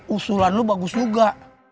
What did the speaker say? usulan lu bagus juga